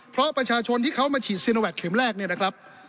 เพราะประชาชนที่เขามาฉีดซีโนแวคเข็มแรกเนี่ยนะครับ